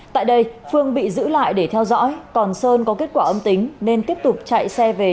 tại đây phương bị giữ lại để theo dõi còn sơn có kết quả âm tính nên tiếp tục chạy xe về